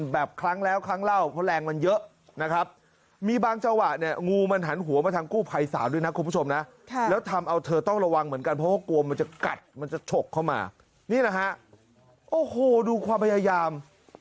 แบบครั้งแล้วครั้งเล่าเพราะแรงมันเยอะนะครับ